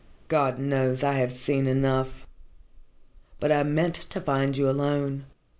God knows, I have seen enough! But I meant to find you alone.